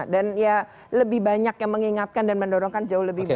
dan ya lebih banyak yang mengingatkan dan mendorongkan jauh lebih baik